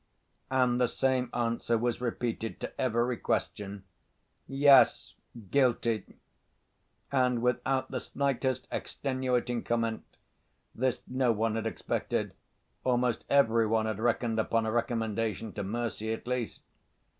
And the same answer was repeated to every question: "Yes, guilty!" and without the slightest extenuating comment. This no one had expected; almost every one had reckoned upon a recommendation to mercy, at least.